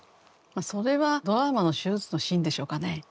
それはドラマの手術のシーンでしょうかね。